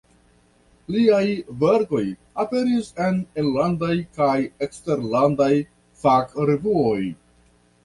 Liaj verkoj aperis en enlandaj kaj eksterlandaj fakrevuoj.